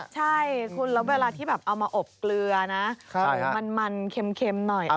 ใช่คุณแล้วเวลาที่แบบเอามาอบเกลือนะมันเค็มหน่อย